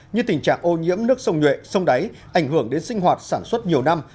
như tình trạng ô nhiễm nước sông nhuệ sông đáy ảnh hưởng đến sinh hoạt sản xuất nhiều năm